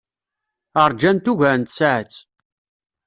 Ṛjant ugar n tsaɛet.